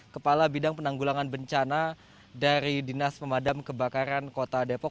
kepala bidang penanggulangan bencana dari dinas pemadam kebakaran kota depok